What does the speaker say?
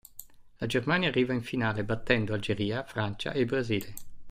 La Germania arriva in finale battendo Algeria, Francia e Brasile.